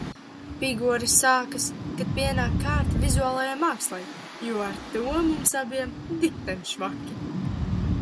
Pigori sākas, kad pienāk kārta vizuālajai mākslai, jo ar to mums abiem dikten švaki.